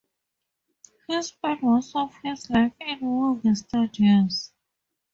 He spent most of his life in movie studios.